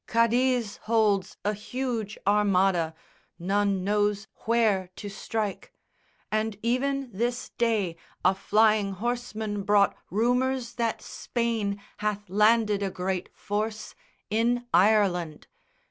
Cadiz holds A huge Armada, none knows where to strike; And even this day a flying horseman brought Rumours that Spain hath landed a great force In Ireland.